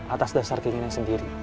atas dasar keinginan sendiri